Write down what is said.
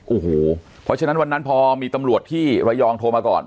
โอ้โหเพราะฉะนั้นวันนั้นพอมีตำรวจที่ระยองโทรมาก่อน